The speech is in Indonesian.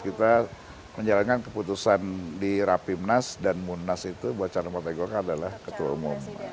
kita menjalankan keputusan di rapimnas dan munas itu buat calon partai golkar adalah ketua umum